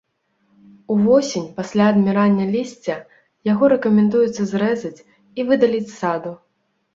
Увосень, пасля адмірання лісця, яго рэкамендуецца зрэзаць і выдаліць з саду.